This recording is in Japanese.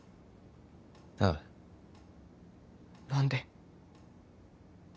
ああ何で？